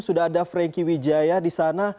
sudah ada franky wijaya di sana